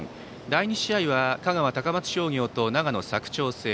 第２試合は香川・高松商業と長野・佐久長聖。